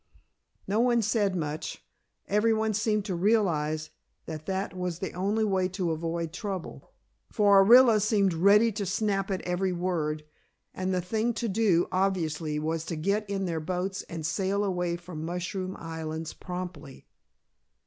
No one said much, everyone seemed to realize that that was the only way to avoid trouble, for Orilla seemed ready to snap at every word, and the thing to do, obviously, was to get in their boats and sail away from Mushroom Islands, promptly.